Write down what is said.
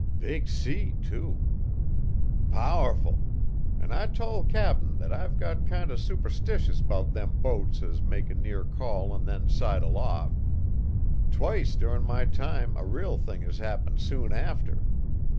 "Big sea, too!" "Powerful! An' I tole Cap'n that I've got kind o' superstitious 'bout them boats as make a near call an' then sidle off. Twict durin' my time a real thing has happened soon after.